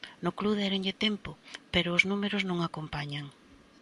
No club déronlle tempo, pero os números non acompañan.